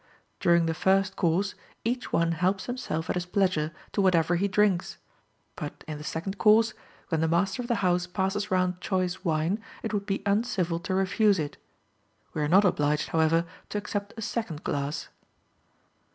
During the first course, each one helps himself at his pleasure to whatever he drinks; but, in the second course, when the master of the house passes round choice wine, it would be uncivil to refuse it. We are not obliged, however, to accept a second glass.